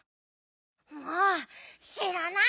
もうしらない！